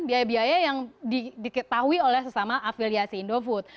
biaya biaya yang diketahui oleh sesama afiliasi indofood